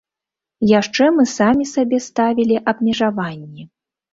Яшчэ мы самі сабе ставілі абмежаванні.